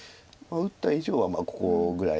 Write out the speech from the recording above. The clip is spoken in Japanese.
打った以上はここぐらい。